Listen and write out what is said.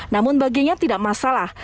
namun baginya tidak masalah